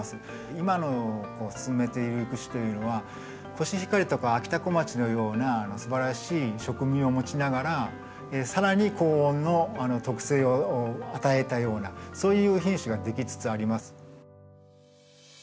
今の進めている育種というのはコシヒカリとかあきたこまちのようなすばらしい食味を持ちながら更に高温の特性を与えたようなそういう品種ができつつありますんで。